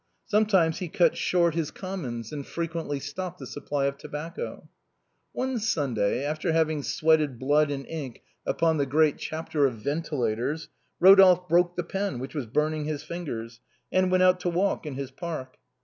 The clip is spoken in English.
Sometimes he cut short his commons, and frequently stopped the supply of tobacco. One Sunday, after having sweated blood and ink upon the great chapter on ventilators, Eodolphe broke the pen, which was biirning his fingers, and went out to walk — in his " park."